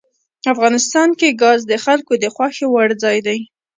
افغانستان کې ګاز د خلکو د خوښې وړ ځای دی.